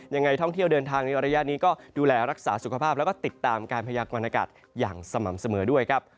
ยังไงท่องเที่ยวเดินทางในระยะนี้ก็ดูแลรักษาสุขภาพแล้วก็ติดตามการพยากรณากาศอย่างสม่ำเสมอด้วยครับ